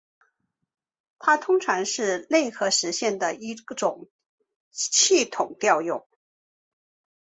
它通常是内核实现的一种系统调用。